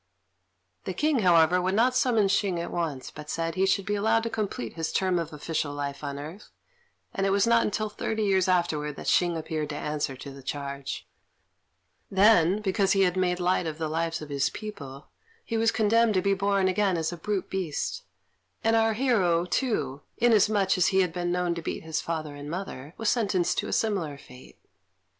The King, however, would not summon Hsing at once, but said he should be allowed to complete his term of official life on earth; and it was not till thirty years afterwards that Hsing appeared to answer to the charge. Then, because he had made light of the lives of his people, he was condemned to be born again as a brute beast; and our hero, too, inasmuch as he had been known to beat his father and mother, was sentenced to a similar fate.